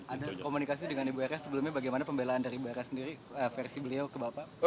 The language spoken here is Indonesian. ada komunikasi dengan ibu rs sebelumnya bagaimana pembelaan dari ibu rs sendiri versi beliau ke bap